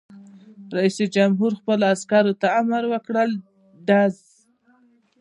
رئیس جمهور خپلو عسکرو ته امر وکړ؛ ډز!